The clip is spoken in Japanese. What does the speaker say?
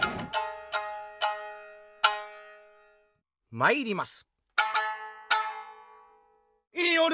まいります。